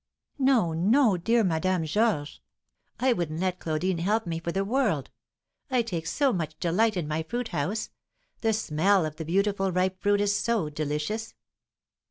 "No, no! dear Madame Georges; I wouldn't let Claudine help me for the world. I take so much delight in my fruit house, the smell of the beautiful ripe fruit is so delicious."